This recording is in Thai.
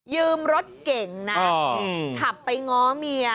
ยืมรถเก่งนะขับไปง้อเมีย